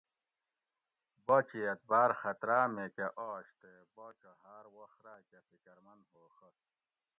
باچہت باۤر خطرہ میکہ آش تے باچہ ہاۤر وخ راۤکہ فکرمند ہوڛت